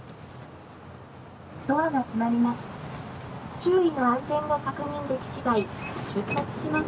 ドアが閉まります。